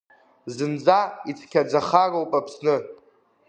Зынӡа ицқьаӡахароуп Аԥсны.